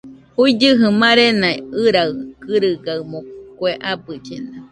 Juigɨjɨ marena ɨraɨ kɨrɨgaɨmo, kue abɨllena